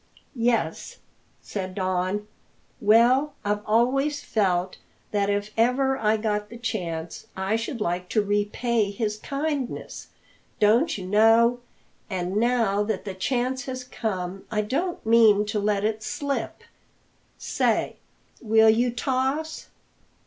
"Yes?" said Don. "Well, I've always felt that if ever I got the chance I should like to repay his kindness, don't you know; and now that the chance has come I don't mean to let it slip. Say, will you toss?"